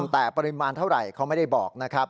แต่ปริมาณเท่าไรเขาไม่ได้บอก